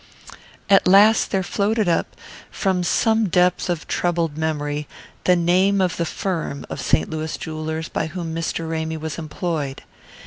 At last there floated up from some depth of troubled memory the name of the firm of St. Louis jewellers by whom Mr. Ramy was employed.